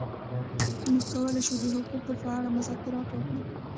موږ کولای شو د حقوقو په اړه مذاکره وکړو.